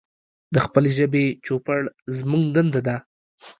د خپلې ژبې چوپړ زمونږ دنده ده.